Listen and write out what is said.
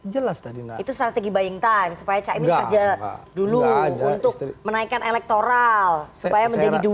jelas tadi itu strategi buying time supaya dulu untuk menaikkan elektoral supaya menjadi diwining